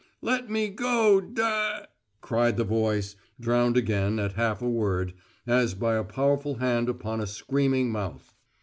"Let me go, da " cried the voice, drowned again at half a word, as by a powerful hand upon a screaming mouth.